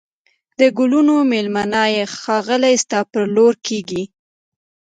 د گلونو مېلمنه یې ښاخلې ستا پر لور کږېږی